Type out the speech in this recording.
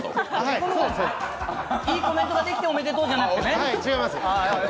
いいコメントができておめでとうじゃなくてね？